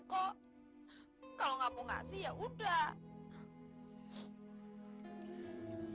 kok kalau enggak mau ngasih ya udah